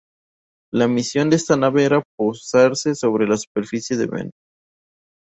La misión de esta nave era posarse sobre la superficie de Venus.